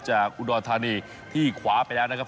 จากอุดรธานีที่ขวาไปแล้วนะครับ